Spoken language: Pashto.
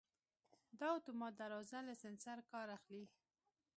دا اتومات دروازه له سنسر کار اخلي.